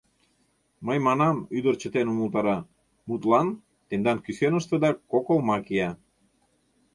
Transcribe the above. — Мый манам, — ӱдыр чытен умылтара, — мутлан, тендан кӱсеныштыда кок олма кия.